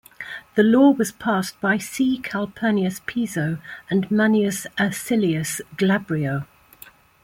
The law was passed by C. Calpurnius Piso and Manius Acilius Glabrio.